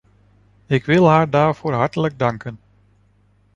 Ik wil haar daarvoor hartelijk danken.